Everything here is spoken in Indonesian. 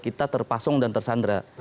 kita terpasong dan tersandra